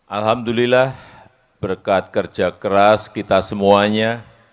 alhamdulillah berkat kerja keras kita semuanya